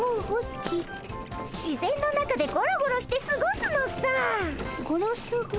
自然の中でゴロゴロしてすごすのさ。ゴロスゴ。